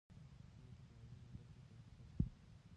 چین د ټیکنالوژۍ په برخه کې مخکښ دی.